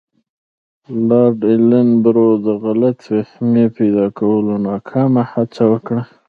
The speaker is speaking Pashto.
لارډ ایلن برو د غلط فهمۍ پیدا کولو ناکامه هڅه وکړه.